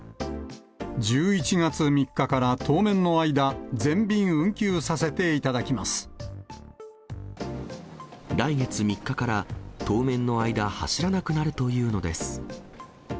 １１月３日から当面の間、来月３日から当面の間、走らなくなるというのです。